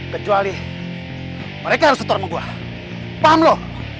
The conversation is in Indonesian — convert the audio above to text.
kecuali mereka harus setor sama gua paham lo